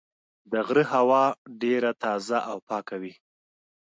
د غره هوا ډېره تازه او پاکه وي.